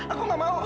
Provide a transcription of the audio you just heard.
aku gak mau